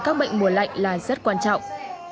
các bệnh mùa lạnh là rất quan trọng